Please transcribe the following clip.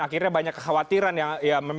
akhirnya banyak kekhawatiran yang